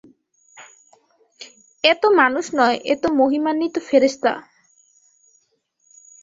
এতো মানুষ নয়, এ তো মহিমান্বিত ফেরেশতা!